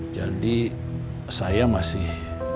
jadi saya masih